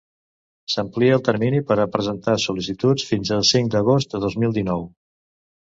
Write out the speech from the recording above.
S'amplia el termini per a presentar sol·licituds fins al cinc d'agost de dos mil dinou.